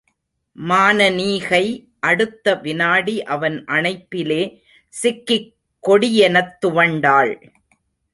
மானனீகை அடுத்த விநாடி அவன் அணைப்பிலே சிக்கிக் கொடியெனத் துவண்டாள்.